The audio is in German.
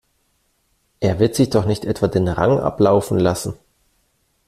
Er wird sich doch nicht etwa den Rang ablaufen lassen?